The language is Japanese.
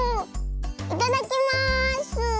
いただきます！